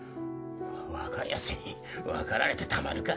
若いやつにわかられてたまるか。